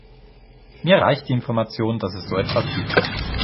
Mir reicht die Information, dass es so etwas gibt.